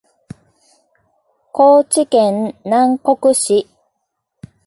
高知県南国市